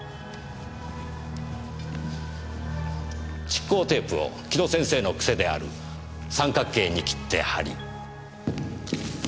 蓄光テープを城戸先生の癖である三角形に切って張り。